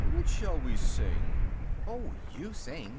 Which shall sing?" "Oh! you sing!"